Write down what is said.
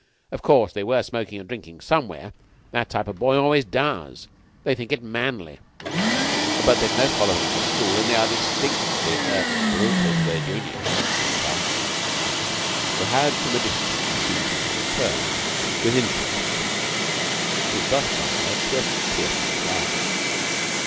Of course they were smoking and drinking somewhere. That type of boy always does. They think it manly." "But they've no following in the school, and they are distinctly er brutal to their juniors," said Prout, who had from a distance seen Beetle return, with interest, his butterfly net to a tearful fag.